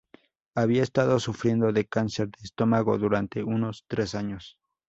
Había estado sufriendo de cáncer de estómago durante unos tres años.